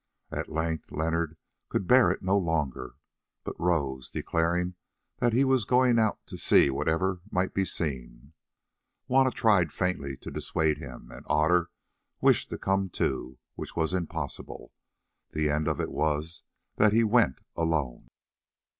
At length Leonard could bear it no longer, but rose, declaring that he was going out to see whatever might be seen. Juanna tried faintly to dissuade him, and Otter wished to come too, which was impossible. The end of it was that he went alone.